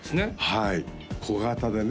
はい小型でね